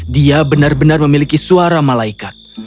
dia benar benar memiliki suara malaikat